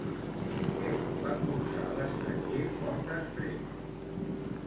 Què va cursar a l'estranger, poc després?